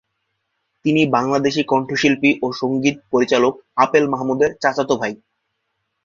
তিনি বাংলাদেশি কণ্ঠশিল্পী ও সঙ্গীত পরিচালক আপেল মাহমুদের চাচাতো ভাই।